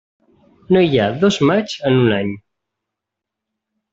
No hi ha dos maigs en un any.